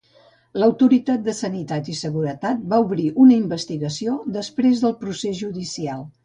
L'Autoritat de Sanitat i Seguretat va obrir una investigació després del procés judicial.